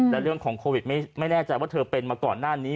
และเรื่องของโควิดไม่แน่ใจว่าเธอเป็นมาก่อนหน้านี้